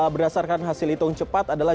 berdasarkan hasil hitung cepat adalah